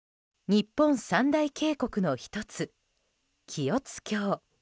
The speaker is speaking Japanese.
日本三大渓谷の１つ、清津峡。